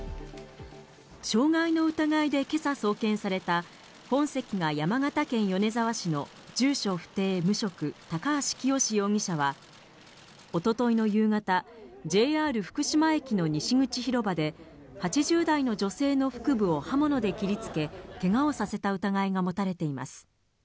傷害の疑いで今朝送検された本籍が山形県米沢市の住所不定、無職、高橋清容疑者は一昨日の夕方、ＪＲ福島駅の西口広場で８０代の女性の腹部を刃物で切りつけ、けがをさせた疑いが持たれています。